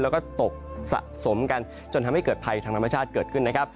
แล้วก็ตกสะสมกันจนทำให้เกิดภัยทางธรรมชาติเกิดขึ้นนะครับ